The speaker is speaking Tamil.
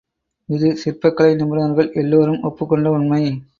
இது சிற்பக் கலை நிபுணர்கள் எல்லோரும் ஒப்புக்கொண்ட உண்மை.